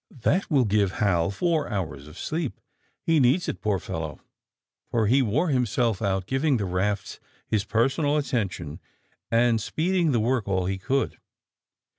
That will give Hal f onr honrs of sleep. He needs it, poor fel low, for he wore himself out giving the rafts his personal attention, and speeding the work all he conld.